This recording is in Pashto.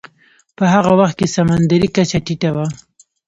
په هغه وخت کې سمندرې کچه ټیټه وه.